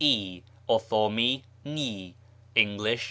| Othomi | English.